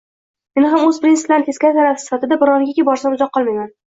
Men ham oʻz prinsiplarimni teskari tarafi sifatida birovnikiga borsam uzoq qolmayman.